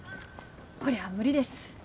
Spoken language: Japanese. こりゃ無理です。